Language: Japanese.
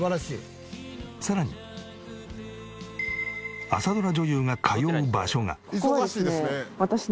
さらに朝ドラ女優が通う場所が。